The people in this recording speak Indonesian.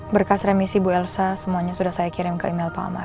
berkas remisi bu elsa semuanya sudah saya kirim ke email palmar